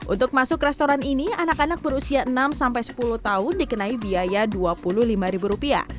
untuk masuk restoran ini anak anak berusia enam sampai sepuluh tahun dikenai biaya dua puluh lima ribu rupiah